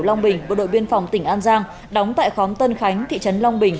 long bình bộ đội biên phòng tỉnh an giang đóng tại khóm tân khánh thị trấn long bình